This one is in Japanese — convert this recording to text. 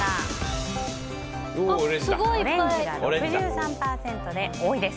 オレンジが６３％で多いです。